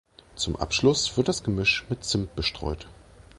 Zum Abschluss wird das Gemisch mit Zimt bestreut.